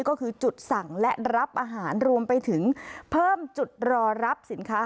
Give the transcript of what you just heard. ก็คือจุดสั่งและรับอาหารรวมไปถึงเพิ่มจุดรอรับสินค้า